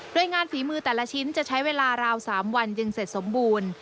โดยงานฝีมือแต่ละชิ้นจะใช้เวลาราว๓วันจึงเสร็จสมบูรณ์